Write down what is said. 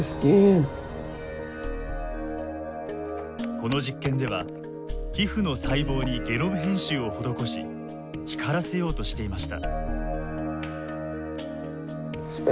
この実験では皮膚の細胞にゲノム編集を施し光らせようとしていました。